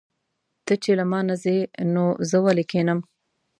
ته چې له مانه ځې نو زه ولې کښېنم.